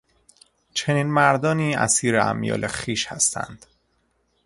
چنین مردانی اسیر امیال خویش هستند.